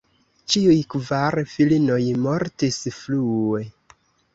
Ĉiuj kvar filinoj mortis frue.